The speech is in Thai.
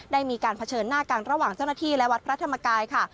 ได้มีการเผชิญหน้ากันระหว่างเจ้าหน้าที่และวัดพระธรรมกายค่ะ